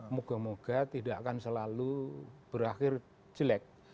moga moga tidak akan selalu berakhir jelek